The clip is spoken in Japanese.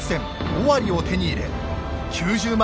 尾張を手に入れ９０万